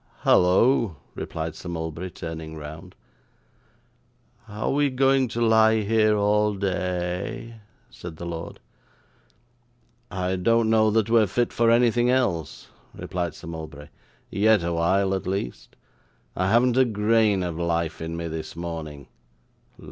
'Hallo!' replied Sir Mulberry, turning round. 'Are we going to lie here all da a y?' said the lord. 'I don't know that we're fit for anything else,' replied Sir Mulberry; 'yet awhile, at least. I haven't a grain of life in me this morning.